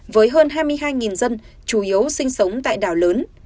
với hơn hai mươi hai dân chủ yếu sinh sống tại đảo lớn